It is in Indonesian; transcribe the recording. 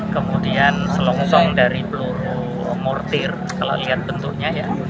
kemudian selongsong dari peluru mortir kalau lihat bentuknya ya